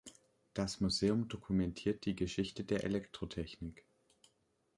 Das Museum dokumentiert die Geschichte der Elektrotechnik.